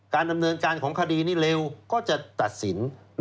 ดำเนินการของคดีนี้เร็วก็จะตัดสิน